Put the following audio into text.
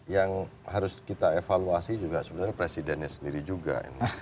yang harus kita evaluasi juga sebenarnya presidennya sendiri juga